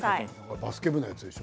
バスケ部のやつでしょ？